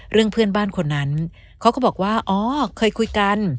เรื่องเพื่อนบ้านคนนั้นเขาก็บอกว่าอ๋อเคยคุยกัน